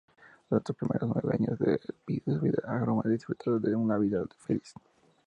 Durante los primeros nueve años de su vida, Aurore disfruta de una vida feliz.